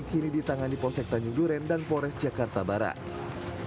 kini ditangani posek tanjung duren dan polres jakarta barat